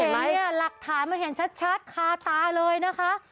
เห็นเนี่ยหลักฐานมันเห็นชัดคาตาเลยนะคะ